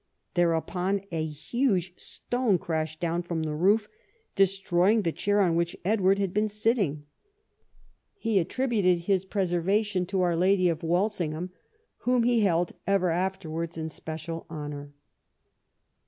Thereupon a huge stone crashed down from the roof, destroying the chair on which Edward had been sitting. He attributed his preservation to Our Lady of Walsingham, whom he held ever afterwards in special honour.